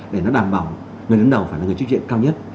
để nó đảm bảo người đứng đầu phải là người trách nhiệm cao nhất